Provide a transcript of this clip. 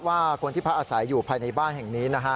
ว่าคนที่พักอาศัยอยู่ภายในบ้านแห่งนี้นะฮะ